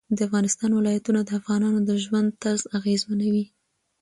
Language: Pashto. د افغانستان ولايتونه د افغانانو د ژوند طرز اغېزمنوي.